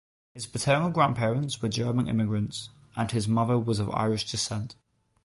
His paternal grandparents were German immigrants, and his mother was of Irish descent.